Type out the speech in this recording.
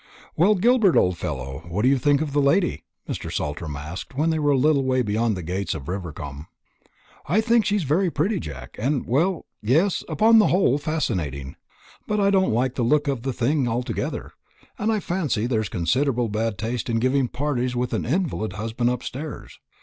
"Well, Gilbert, old fellow, what do you think of the lady?" Mr. Saltram asked, when they were a little way beyond the gates of Rivercombe. "I think her very pretty, Jack, and well yes upon the whole fascinating. But I don't like the look of the thing altogether, and I fancy there's considerable bad taste in giving parties with an invalid husband upstairs.